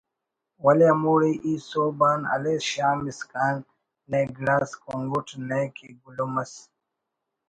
ولے ہموڑے ای سہب آن ہلیس شام اسکان نئے گڑاس کنگٹ نئے کہ گلم اس